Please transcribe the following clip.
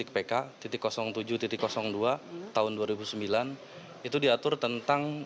itu diatur tentang bagaimana penyelenggaraan